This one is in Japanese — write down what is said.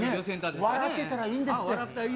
笑ってたらいいんですって。